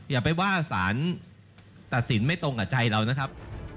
อย่าไปว่าสารตัดสินไม่ตรงกับใจเรานะครับ